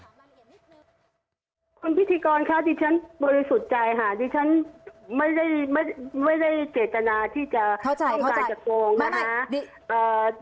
คุณพิธีกรคะดิฉันบริสุทธิ์ใจค่ะดิฉันไม่ได้เกตนาที่จะเข้าใจจะโกงนะฮะ